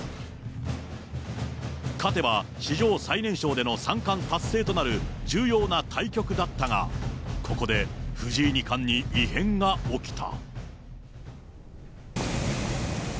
勝てば史上最年少での三冠達成となる重要な対局だったが、ここで藤井二冠に異変が起きた。